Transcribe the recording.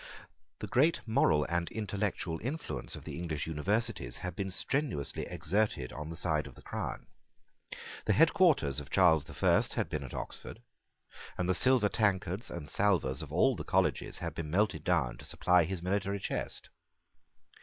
The great moral and intellectual influence of the English Universities had been strenuously exerted on the side of the crown. The head quarters of Charles the First had been at Oxford; and the silver tankards and salvers of all the colleges had been melted down to supply his military chest.